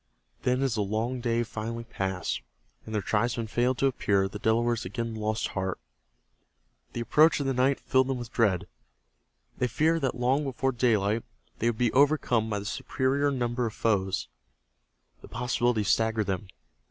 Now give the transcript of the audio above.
Then as the long day finally passed and their tribesmen failed to appear the Delawares again lost heart. The approach of night filled them with dread. They feared that long before daylight they would be overcome by the superior numbers of their foes. The possibility staggered them.